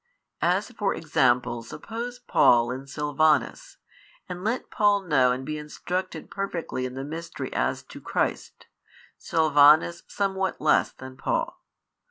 As for example suppose Paul and Silvanus; and let Paul know and be instructed perfectly in the mystery as to Christ, Silvanus somewhat less than Paul.